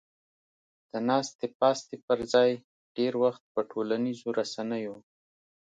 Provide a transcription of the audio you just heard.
د ناستې پاستې پر ځای ډېر وخت په ټولنیزو رسنیو